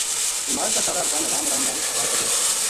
نماز کا سارا ارکان آرام آرام نال ادا کرنا۔